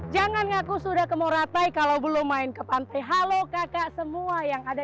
jangan ngaku sudah ke moratai kalau belum main ke pantai halo kakak semua yang ada